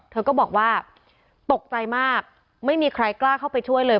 เธอก็บอกว่าตกใจมากไม่มีใครกล้าเข้าไปช่วยเลย